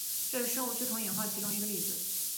这是生物趋同演化的其中一个例子。